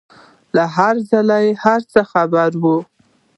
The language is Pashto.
له هرځايه له هرڅه خبره وه.